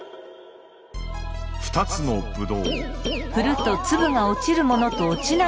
２つのブドウ。